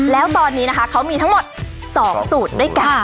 แล้วตอนนี้นะคะเขามีทั้งหมด๒สูตรด้วยกัน